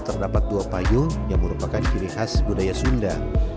terdapat dua payung yang merupakan ciri khas budaya sunda